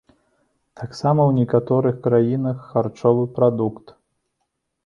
Таксама ў некаторых краінах харчовы прадукт.